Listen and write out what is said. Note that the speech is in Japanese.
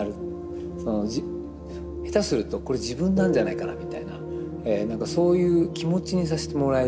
下手するとこれ自分なんじゃないかなみたいな何かそういう気持ちにさせてもらえる。